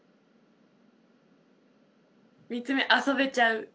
３つ目遊べちゃう。